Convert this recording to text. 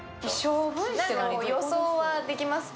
予想はできますか？